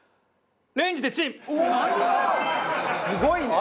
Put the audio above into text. すごいね。